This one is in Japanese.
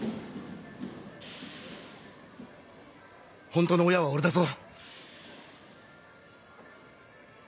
本当の親は俺だぞ。